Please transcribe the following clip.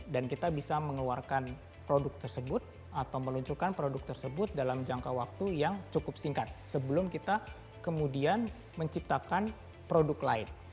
dan kita bisa mengeluarkan produk tersebut atau meluncurkan produk tersebut dalam jangka waktu yang cukup singkat sebelum kita kemudian menciptakan produk lain